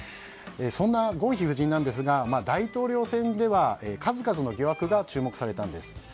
そんなゴンヒ夫人ですが大統領選では数々の疑惑が注目されたんです。